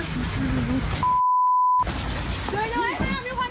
เดี๋ยวยังไงมีคนเถอะสัง